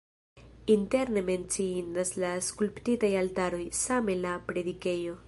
Interne menciindas la skulptitaj altaroj, same la predikejo.